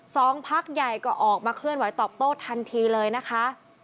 สองพักใหญ่ก็ออกมาเคลื่อนไหวตอบโต้ทันทีเลยนะคะ